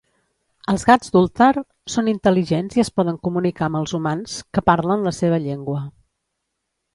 Els gats d'Ulthar són intel·ligents i es poden comunicar amb els humans que parlen la seva llengua.